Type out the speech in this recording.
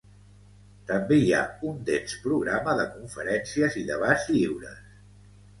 També hi ha un dens programa de conferències i debats lliures.